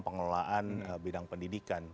pengelolaan bidang pendidikan